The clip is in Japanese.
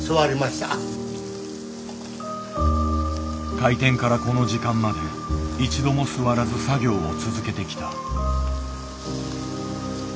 開店からこの時間まで一度も座らず作業を続けてきた。